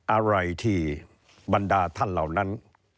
อะไรที่บรรดาท่านเหล่านั้น